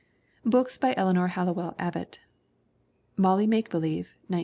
BOOKS BY ELEANOR HALLOWELL ABBOTT Molly 'Make Believe, 1910.